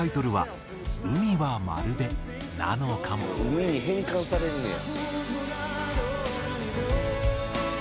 「海に変換されんねや」